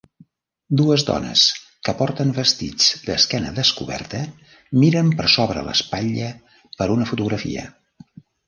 Dues dones que porten vestits d'esquena descoberta miren per sobre l'espatlla per una fotografia.